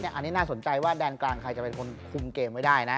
อันนี้น่าสนใจว่าแดนกลางใครจะเป็นคนคุมเกมไว้ได้นะ